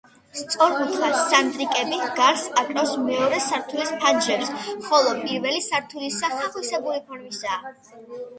სწორკუთხა სანდრიკები გარს აკრავს მეორე სართულის ფანჯრებს, ხოლო პირველი სართულისა ხახვისებური ფორმისაა.